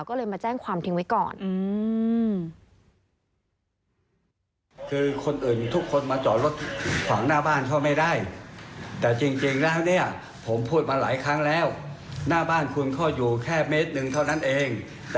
ก็เลยมาแจ้งความทิ้งไว้ก่อน